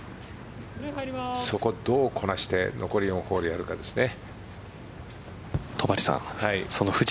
そこをどうこなして残りの４ホールやるかですね。